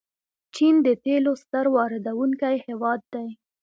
چین د تیلو ستر واردونکی هیواد دی.